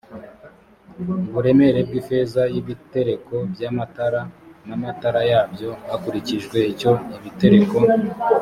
uburemere bw ifeza y ibitereko by amatara n amatara yabyo hakurikijwe icyo ibitereko